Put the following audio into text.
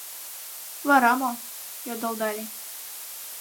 — Вара мо? — йодылдале.